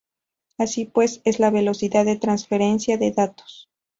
Así pues, es la velocidad de transferencia de datos.